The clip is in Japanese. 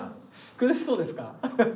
苦しそうですか？